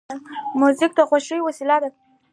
موزیک د خوښۍ وسیله ده.